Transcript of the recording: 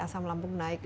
asam lambung naik